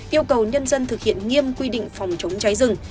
yêu cầu nhân dân thực hiện nghiêm quy định phòng chống cháy rừng